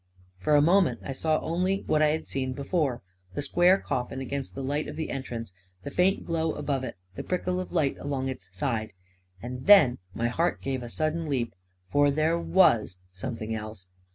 . For a moment I saw only what I had seen before — the square coffin against the light of the entrance; the faint glow above it; the prickle of light along its side — and then my heart gave a sudden leap — for there was something else